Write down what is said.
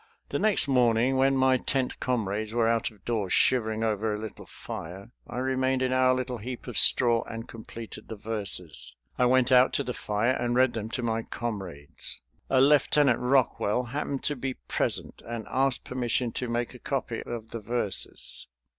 The next morning when my tent comrades were out of doors shivering over a little fire I remained in our little heap of straw, and completed the verses. I went out to the fire and read them to my comrades. A Lieutenant Rockwell happened to be present and asked permission to make a copy of the verses.